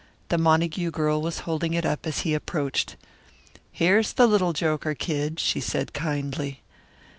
The Montague girl was holding it up as he approached. "Here's the little joker, Kid," she said kindly.